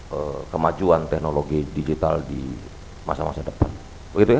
hai kemajuan teknologi digital di masa masa depan begitu ya